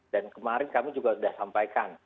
dan kemarin kami juga sudah sampaikan